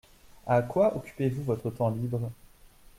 À quoi occupez-vous votre temps libre ?